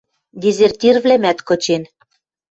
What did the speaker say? Дезертирвлӓмӓт кычен.